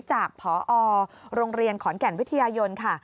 จากพอโรงเรียนขอนแก่นวิทยายนค่ะ